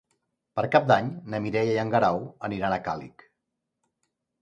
Per Cap d'Any na Mireia i en Guerau aniran a Càlig.